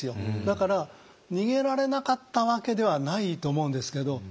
だから逃げられなかったわけではないと思うんですけど。